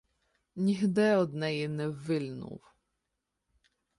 Нігде од неї не ввильнув.